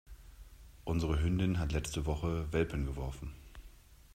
Unsere Hündin hat letzte Woche Welpen geworfen.